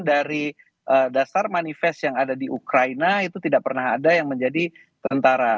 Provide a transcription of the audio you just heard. dari dasar manifest yang ada di ukraina itu tidak pernah ada yang menjadi tentara